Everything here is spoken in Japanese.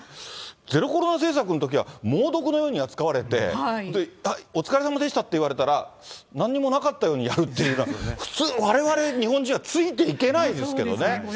ゼロコロナ政策のときは猛毒のように扱われて、あっ、お疲れさまでしたって言われたらなんにもなかったようにやるっていうのは、普通、われわれ日本人はついていけないですけどね。